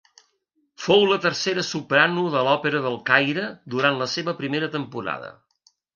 Fou la tercera soprano de l'òpera del Caire durant la seva primera temporada.